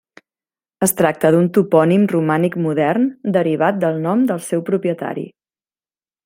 Es tracta d'un topònim romànic modern, derivat del nom del seu propietari.